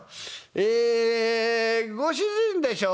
ええご主人でしょ？」。